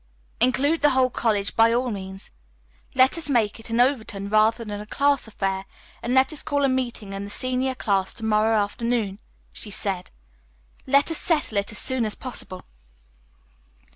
"Include the whole college, by all means. Let us make it an Overton rather than a class affair, and let us call a meeting of the senior class to morrow afternoon," she said. "Let us settle it as soon as possible."